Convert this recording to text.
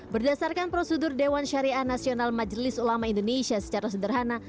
berdasarkan prosedur dewan syariah nasional majelis ulama indonesia secara sederhana